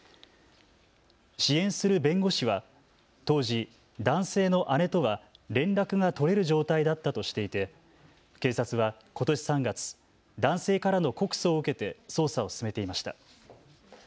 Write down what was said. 支援する弁護士は当時、男性の姉とは連絡が取れる状態だったとしていて警察はことし３月、男性からの告訴を受けて捜査を進めていました。